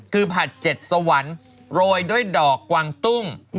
คือผัด๗สวรรค์โรยด้วยดอกกวางตุ้ง